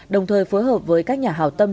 đồng thời phối hợp với các nhà hào tâm